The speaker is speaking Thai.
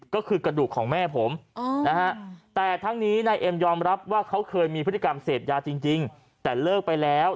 ก็คือกระดูกของแม่ผมนะฮะแต่ทั้งนี้นายเอ็มยอมรับว่าเขาเคยมีพฤติกรรมเสพยาจริงแต่เลิกไปแล้ว